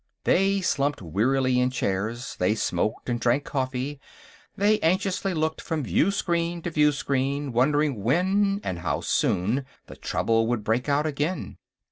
They slumped wearily in chairs; they smoked and drank coffee; they anxiously looked from viewscreen to viewscreen, wondering when, and how soon, the trouble would break out again.